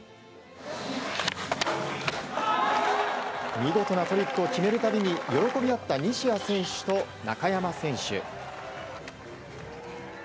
見事なトリックを決めるたびに喜び合った西矢選手と中山選手。